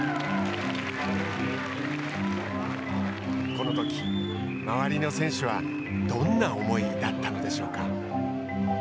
このとき、周りの選手はどんな思いだったのでしょうか。